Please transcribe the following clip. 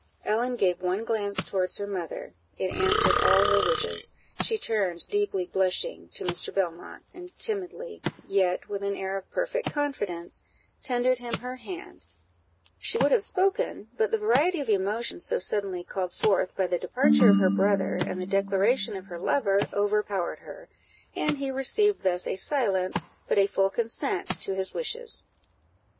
Ellen gave one glance towards her mother it answered all her wishes; she turned, deeply blushing, to Mr. Belmont, and timidly, yet with an air of perfect confidence, tendered him her hand; she would have spoken, but the variety of emotion so suddenly called forth by the departure of her brother, and the declaration of her lover, overpowered her, and he received thus a silent, but a full consent to his wishes.